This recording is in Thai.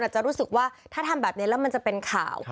จะรู้สึกว่าถ้าทำแบบนี้แล้วมันจะเป็นข่าว